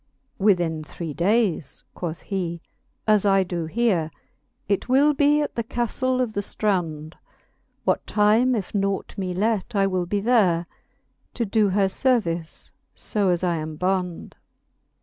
IV. Within three daies, quoth fhe, as I do here, It will be at the caftle of the ftrond ; What time, if naught me let, I will be there To do her iervice, fo as I am bond.